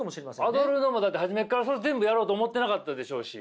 アドルノもだって初めから全部やろうと思ってなかったでしょうし。